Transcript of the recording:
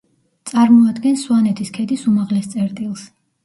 წარმოადგენს სვანეთის ქედის უმაღლეს წერტილს.